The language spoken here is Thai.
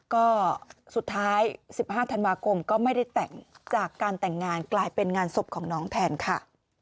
ก็สุดท้าย๑๕ธันวาคมก็ไม่ได้แต่งจากการแต่งงานกลายเป็นงานศพของน้องแทนค่ะ